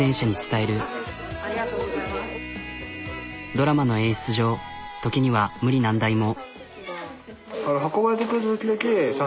ドラマの演出上時には無理難題も。